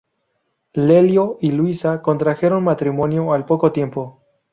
Lelio y Luisa contrajeron matrimonio al poco tiempo.